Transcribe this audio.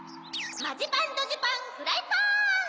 マジパンドジパンフライパン！